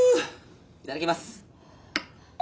いただきます。